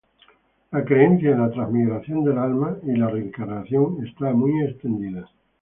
La creencia en la transmigración del alma y la reencarnación está muy extendida.